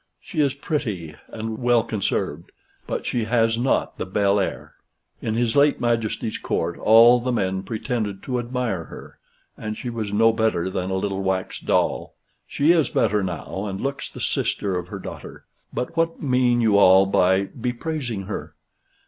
She is pretty, and well conserved; but she has not the bel air. In his late Majesty's Court all the men pretended to admire her, and she was no better than a little wax doll. She is better now, and looks the sister of her daughter; but what mean you all by bepraising her?